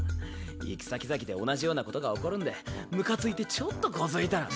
行く先々で同じようなことが起こるんでムカついてちょっと小突いたら。